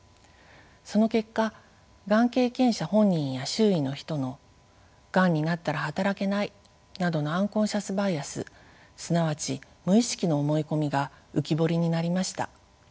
その結果がん経験者本人や周囲の人のがんになったら働けないなどのアンコンシャスバイアスすなわち無意識の思い込みが浮き彫りになりました。